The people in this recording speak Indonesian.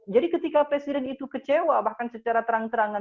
jadi ketika presiden itu kecewa bahkan secara terang terangan